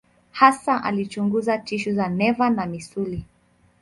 Hasa alichunguza tishu za neva na misuli.